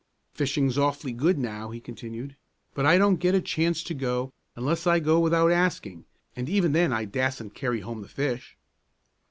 "Fishing's awful good now," he continued; "but I don't get a chance to go, unless I go without asking, and even then I dassent carry home the fish."